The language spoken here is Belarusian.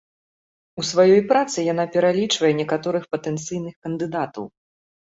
У сваёй працы яна пералічвае некаторых патэнцыйных кандыдатаў.